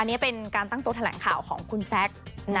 อันนี้เป็นการตั้งโต๊ะแถลงข่าวของคุณแซค